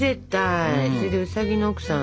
それでウサギのおくさん